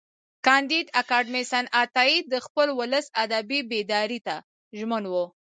کانديد اکاډميسن عطایي د خپل ولس ادبي بیداري ته ژمن و.